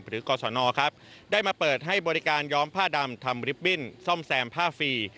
กศนครับได้มาเปิดให้บริการย้อมผ้าดำทำลิปบิ้นซ่อมแซมผ้าฟรี